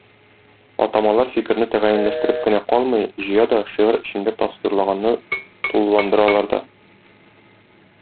Атамалар фикерне тәгаенләштереп кенә калмый, җыя да, шигырь эчендә тасвирлаганны тулыландыралар да